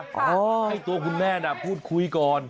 ให้ตัวคุณแม่น่ะพูดคุยก่อน